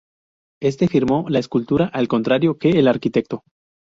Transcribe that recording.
Éste firmó la escultura, al contrario que el arquitecto.